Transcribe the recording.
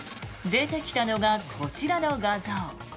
出てきたのがこちらの画像。